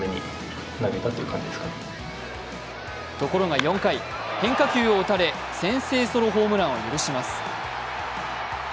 ところが４回、変化球を打たれ、先制ソロホームランを許します。